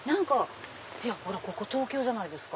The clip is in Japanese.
ここ東京じゃないですか。